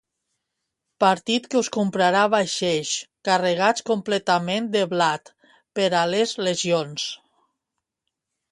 Partit que us comprarà vaixells carregats completament de blat per a les legions.